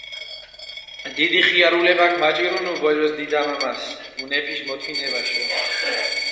დიდი ხიარულებაქ მაჭირუნუ ბოლოს დიდა-მამასჷ მუნეფიში მოთმინებაშო.